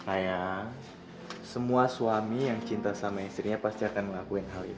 ayah semua suami yang cinta sama istrinya pasti akan ngelakuin hal itu